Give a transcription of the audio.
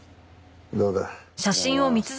どうだ？